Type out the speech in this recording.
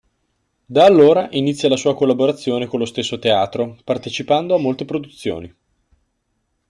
Da allora inizia la sua collaborazione con lo stesso Teatro, partecipando a molte produzioni.